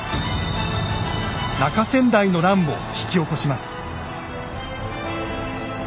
「中先代の乱」を引き起こします。